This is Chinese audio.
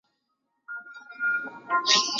天蓝丛蛙区被发现。